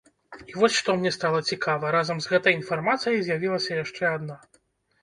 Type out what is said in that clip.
І вось што мне стала цікава, разам з гэтай інфармацыяй з'явілася яшчэ адна.